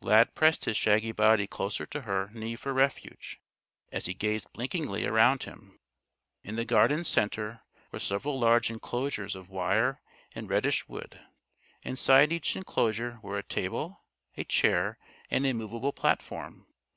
Lad pressed his shaggy body closer to her knee for refuge, as he gazed blinkingly around him. In the Garden's center were several large inclosures of wire and reddish wood. Inside each inclosure were a table, a chair and a movable platform.